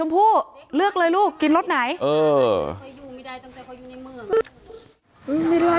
เมื่อกี้เบาเยอะ